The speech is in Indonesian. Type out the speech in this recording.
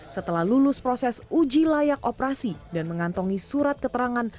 setelah lulus proses uji layak operasi dan mengantongi surat keterangan